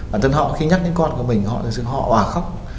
bản thân họ khi nhắc đến con của mình họ khóc